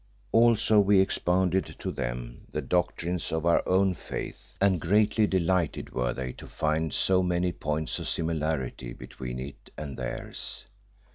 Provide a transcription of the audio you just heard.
Also we expounded to them the doctrines of our own faith, and greatly delighted were they to find so many points of similarity between it and theirs.